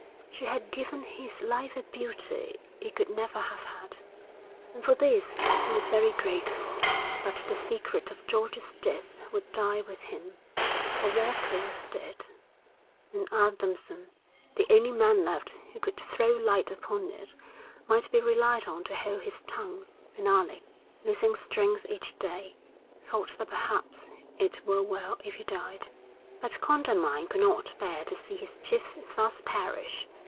She had given his life a beauty it could never have had, and for this he was very grateful. But the secret of George's death would die with him; for Walker was dead, and Adamson, the only man left who could throw light upon it, might be relied on to hold his tongue. And Alec, losing strength each day, thought that perhaps it were well if he died. But Condamine could not bear to see his chief thus perish.